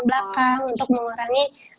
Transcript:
belakang untuk mengurangi